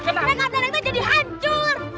neng neng neng tuh jadi hancur